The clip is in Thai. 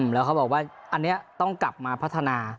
แล้วเขาบอกว่าอันนี้ต้องกลับมาพัฒนา